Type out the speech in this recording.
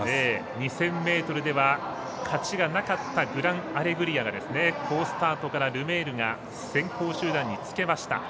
２０００ｍでは勝ちがなかったグランアレグリアが好スタートからルメールが先頭集団につけました。